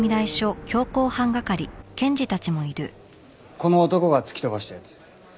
この男が突き飛ばした奴。